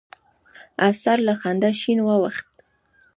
افسر له خندا شين واوښت.